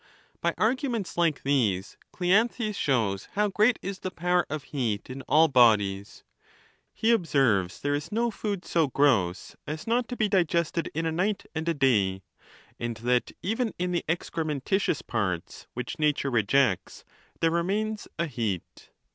By arguments like these, Cleanthes shows how great is the power of heat in all bodies. He observes that there is no food so gross as not to be digested in a night and a day; and that even in the excrementitious parts, which nature rejects, there remains a heat.